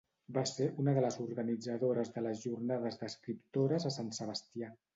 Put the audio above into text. Va ser una de les organitzadores de les Jornades d'Escriptores a Sant Sebastià.